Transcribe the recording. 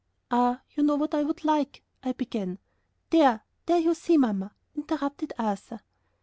"Ah, you know what I would like,..." I began. "There, there, you see, Mamma!" interrupted Arthur.